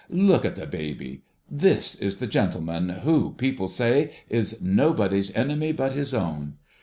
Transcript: ' Look at the i)aby ! This is the gentleman who, people say, is nobody's enemy but his own.